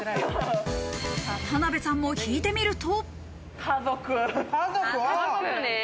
田辺さんも引いてみると。